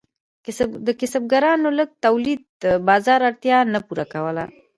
د کسبګرانو لږ تولید د بازار اړتیا نه پوره کوله.